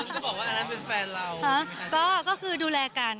คุณก็บอกว่าอันนั้นเป็นแฟนเรา